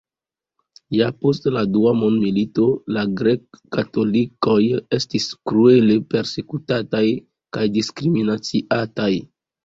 Ja post la dua mondmilito la grek-katolikoj estis kruele persekutataj kaj diskriminaciataj.